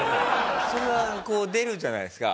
それはこう出るじゃないですか。